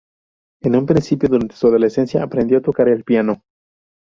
En un principio, durante su adolescencia, aprendió a tocar el piano.